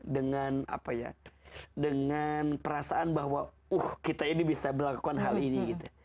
dengan perasaan bahwa uh kita ini bisa melakukan hal ini